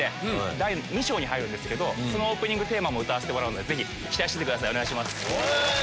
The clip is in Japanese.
第２章に入るんですけどオープニングテーマ歌わせてもらうのでぜひ期待しててくださいお願いします。